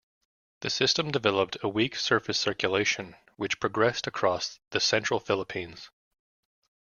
The system developed a weak surface circulation which progressed across the central Philippines.